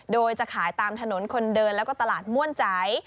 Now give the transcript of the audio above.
โดยจะขายตามถนนคนเดินแล้วก็ตลาดม่วนใจ